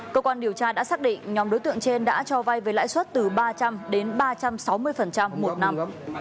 cơ quan điều tra đã xác định nhóm đối tượng trên đã cho vay với lãi suất từ ba trăm linh đến ba trăm sáu mươi một năm